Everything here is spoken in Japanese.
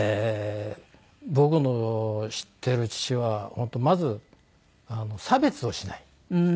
僕の知っている父はまず差別をしない。